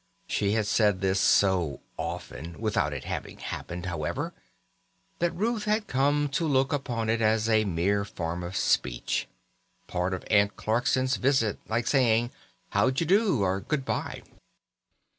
She had said this so often without its having happened, however, that Ruth had come to look upon it as a mere form of speech part of Aunt Clarkson's visit, like saying "How d'ye do?" or "Good bye."